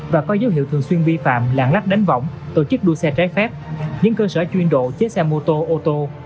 và có dấu hiệu thường xuyên vi phạm lạng lách đánh võng tổ chức đua xe trái phép những cơ sở chuyên độ chế xe mô tô ô tô